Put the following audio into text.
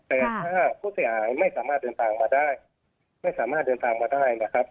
แต่ถ้าผู้จะหายไม่สามารถเดินทางมาได้